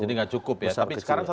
jadi gak cukup ya